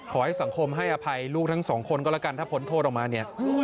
ขอให้สังคมให้อภัยลูกทั้งสองคนก็แล้วกันถ้าพ้นโทษออกมาเนี่ย